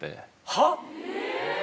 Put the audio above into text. はっ？